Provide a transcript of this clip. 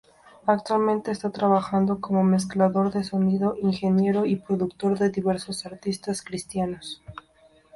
Actualmente está trabajando como mezclador de sonido, ingeniero y productor de diversos artistas cristianos.